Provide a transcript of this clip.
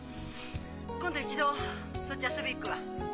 ☎今度一度そっちへ遊びに行くわ。